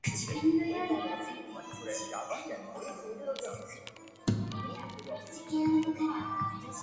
Custom content is added to the game in the form of "hakpaks".